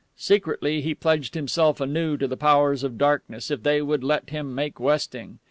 Secretly, he pledged himself anew to the Powers of Darkness, if they would let him make westing.